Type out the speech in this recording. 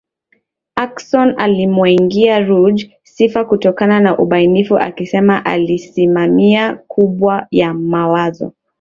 Ackson alimmwagia Ruge sifa kutokana na ubunifu akisema asilimia kubwa ya mawazo